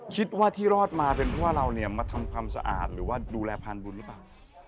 คิดว่าที่รอดมาเป็นเพราะว่าเราเนี่ยมาทำความสะอาดหรือว่าดูแลพานบุญหรือเปล่า